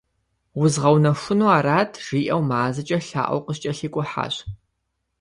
«Узгъэунэхуну арат» жиӏэу мазэкӏэ лъаӏуэу къыскӏэлъикӏухьащ.